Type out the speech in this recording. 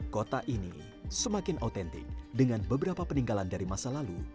kota ini semakin autentik dengan beberapa peninggalan dari masa lalu